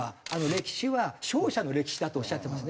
「歴史は勝者の歴史だ」とおっしゃってますね。